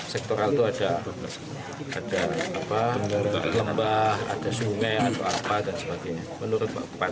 sektoral itu ada lembah ada sungai atau apa dan sebagainya menurut pak